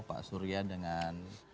pak surya dengan